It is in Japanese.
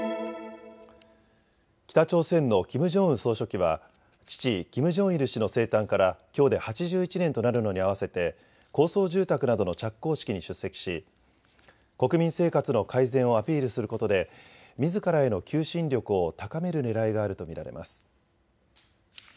北朝鮮のキム・ジョンウン総書記は父、キム・ジョンイル氏の生誕からきょうで８１年となるのに合わせて高層住宅などの着工式に出席し、国民生活の改善をアピールすることでみずからへの求心力を高めるねらいがあると見られます。